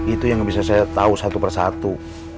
itu yang bisa saya tahu satu persatu